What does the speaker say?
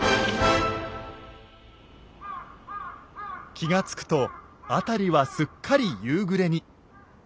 気が付くと辺りはすっかり夕暮れに。